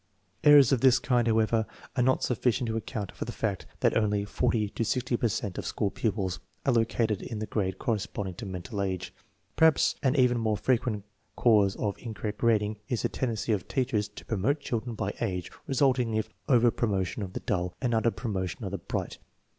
Errors of this kind, however, are not sufficient to account for the fact that only forty to sixty per cent MENTAL AGE STANDARD FOR GRADING 97 of school pupils are located in the grade corresponding to mental age. Perhaps an even more frequent cause of incorrect grading is the tendency of teachers to promote children by age, resulting in over promotion of the dull and under promotion of the bright.